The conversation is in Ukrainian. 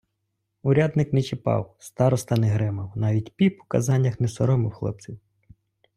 Урядник не чіпав, староста не гримав, навіть піп у казаннях не соромив хлопців.